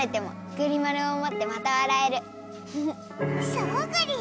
そうぐり。